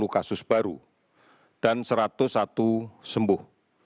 dua puluh kasus baru dan satu ratus satu sembuh